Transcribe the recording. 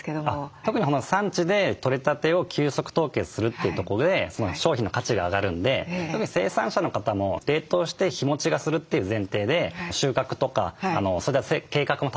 特に産地で取れたてを急速凍結するというとこで商品の価値が上がるんで特に生産者の方も冷凍して日もちがするという前提で収穫とかそういった計画も立てやすいので生産者にとってもありがたいと思いますね。